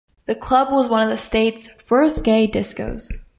The club was one of the state's first gay discos.